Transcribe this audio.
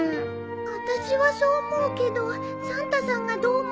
私はそう思うけどサンタさんがどう思うかまではちょっと。